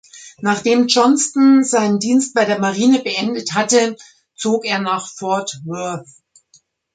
Nachdem Johnston seinen Dienst bei der Marine beendet hatte, zog er nach Fort Worth.